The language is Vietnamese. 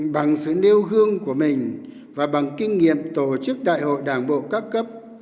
bằng sự nêu gương của mình và bằng kinh nghiệm tổ chức đại hội đảng bộ các cấp